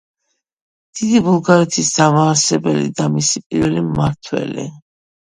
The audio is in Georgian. დიდი ბულგარეთის დამაარსებელი და მისი პირველი მმართველი.